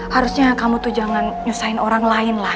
harusnya kamu tuh jangan ngesain orang lain lah